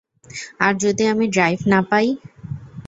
আর যদি আমি ড্রাইভ না পাই।